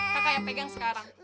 kakak yang pegang sekarang